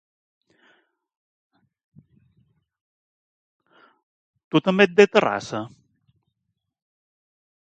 Tu també ets de Terrassa?